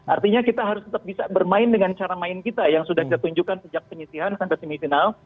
artinya kita harus tetap bisa bermain dengan cara main kita yang sudah kita tunjukkan sejak penyisihan sampai semifinal